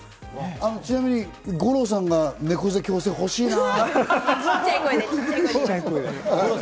ちなみに五郎さんが猫背矯正、欲しいなぁ！